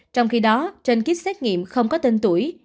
trong khi đó trên kit xét nghiệm không có tên tuổi